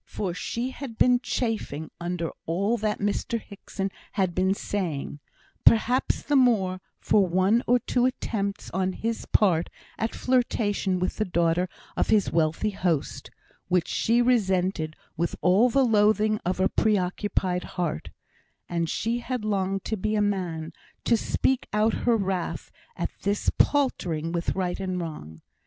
For she had been chafing under all that Mr Hickson had been saying, perhaps the more for one or two attempts on his part at a flirtation with the daughter of his wealthy host, which she resented with all the loathing of a pre occupied heart; and she had longed to be a man, to speak out her wrath at this paltering with right and wrong.